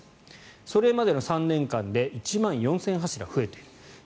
それまでの３年間で１万４０００柱増えている。